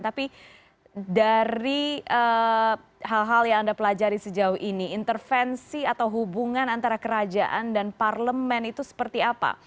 tapi dari hal hal yang anda pelajari sejauh ini intervensi atau hubungan antara kerajaan dan parlemen itu seperti apa